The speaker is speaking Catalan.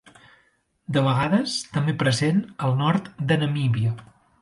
De vegades, també present al nord de Namíbia.